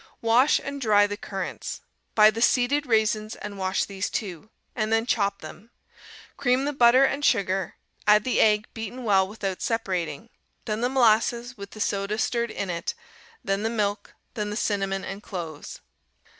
Wash and dry the currants. Buy the seeded raisins and wash these, too, and then chop them. Cream the butter and sugar, add the egg beaten well without separating, then the molasses with the soda stirred in it, then the milk, then the cinnamon and cloves.